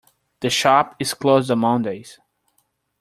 The shop is closed on Mondays.